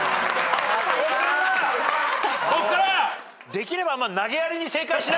できれば。